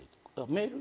メール？